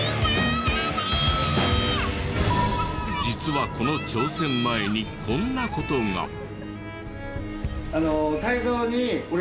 実はこの挑戦前にこんな事が。